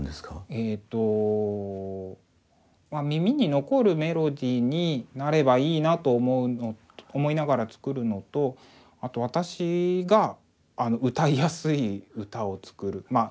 えっと耳に残るメロディーになればいいなと思うのと思いながら作るのとあと私が歌いやすい歌を作るまあ